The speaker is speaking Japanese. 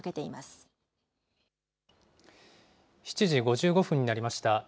７時５５分になりました。